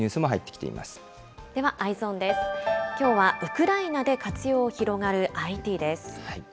きょうはウクライナで活用が広がるＩＴです。